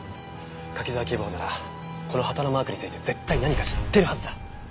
柿沢警部補ならこの旗のマークについて絶対何か知ってるはずだ。